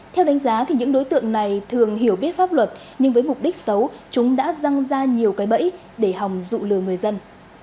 theo đánh giá thì những đối tượng này thường hiểu biết pháp luật nhưng với mục đích xấu chúng đã răng ra nhiều cái bẫy để hòng dụ lừa người dân